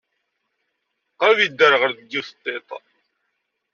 Qrib yedderɣel deg yiwet n tiṭ.